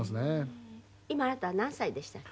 今あなたは何歳でしたっけ？